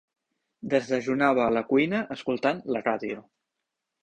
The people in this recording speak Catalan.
Desdejunava a la cuina escoltant la ràdio.